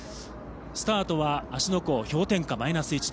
スタートは芦ノ湖、氷点下マイナス１度。